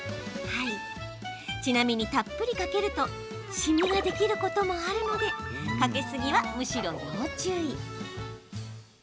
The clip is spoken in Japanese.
ちなみに、たっぷりかけるとしみができることもあるのでかけすぎは、むしろ要注意。